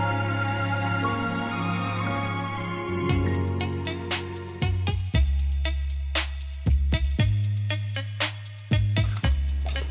kamu mau ngerti